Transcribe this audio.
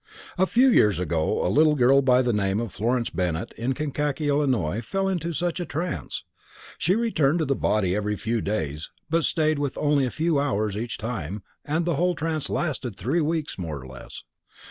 A few years ago a little girl by the name of Florence Bennett in Kankakee, Illinois, fell into such a trance. She returned to the body every few days, but stayed within only a few hours each time, and the whole trance lasted three weeks, more or less.